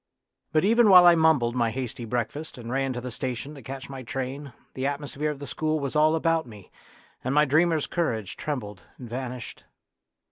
But even while I mumbled my hasty breakfast and ran to the station to catch my train the atmosphere of the school was all about me, and my dreamer's courage trembled and vanished.